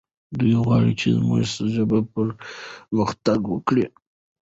دی غواړي چې زموږ ژبه پرمختګ وکړي.